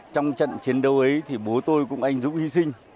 trong trận chiến đấu ấy thì bố tôi cũng anh dũng hy sinh